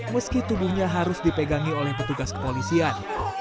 meski tubuhnya harus dipegangi oleh petugas kepolisian